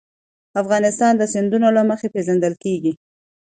افغانستان د سیندونه له مخې پېژندل کېږي.